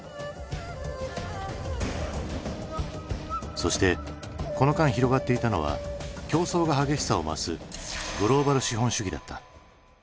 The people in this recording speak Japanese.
そしてこの間広がっていたのは競争が激しさを増すグローバル資本主義だった。